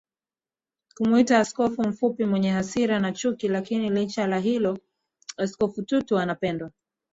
kumuita Askofu mfupi mwenye hasira na chukiLakini licha ya hilo Askofu Tutu anapendwa